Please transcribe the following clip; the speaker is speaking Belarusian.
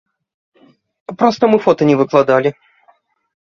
Проста мы фота не выкладалі.